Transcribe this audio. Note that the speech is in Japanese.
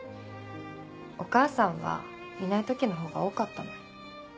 お母さんはいない時のほうが多かったの。